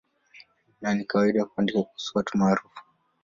Na ni kawaida kuandika kuhusu watu maarufu.